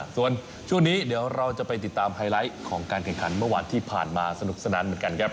ส่วนช่วงนี้เดี๋ยวเราจะไปติดตามไฮไลท์ของการแข่งขันเมื่อวานที่ผ่านมาสนุกสนานเหมือนกันครับ